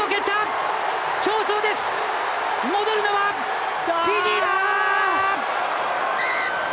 戻るのはフィジーだ！